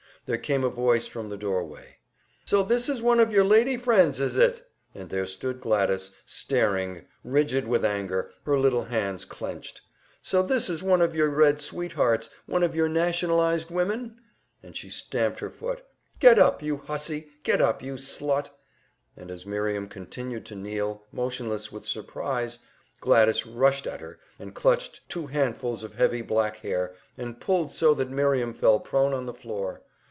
There came a voice from the doorway. "So this is one of your lady friends, is it?" And there stood Gladys, staring, rigid with anger, her little hands clenched. "So this is one of your Red sweethearts, one of your nationalized women?" And she stamped her foot. "Get up, you hussy! Get up, you slut!" And as Miriam continued to kneel, motionless with surprise, Gladys rushed at her, and clutched two handfuls of her heavy black hair, and pulled so that Miriam fell prone on the floor.